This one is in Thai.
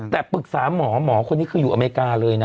แต่ปรึกษาหมอหมอคนนี้คืออยู่อเมริกาเลยนะ